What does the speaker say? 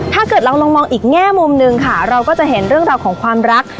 ถ้าเกิดเราลองมองอีกแง่มุมหนึ่งค่ะเราก็จะเห็นเรื่องราวของความรัก